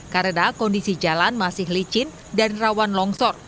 karena kondisi jalan masih licin dan rawan longsor